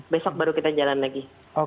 besok baru kita jalan lagi